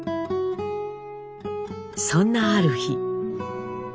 そんなある日。